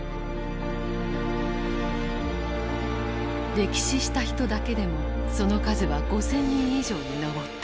溺死した人だけでもその数は５，０００人以上に上った。